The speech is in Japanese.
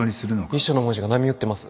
遺書の文字が波打ってます。